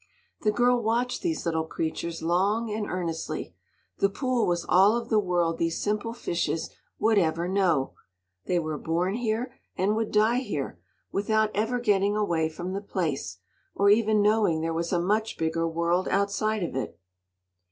The girl watched these little creatures long and earnestly. The pool was all of the world these simple fishes would ever know. They were born here, and would die here, without ever getting away from the place, or even knowing there was a much bigger world outside of it.